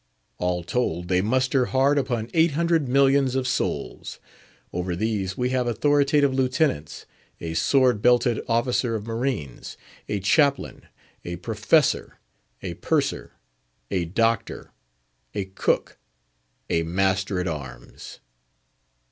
All told, they muster hard upon eight hundred millions of souls. Over these we have authoritative Lieutenants, a sword belted Officer of Marines, a Chaplain, a Professor, a Purser, a Doctor, a Cook, a Master at arms.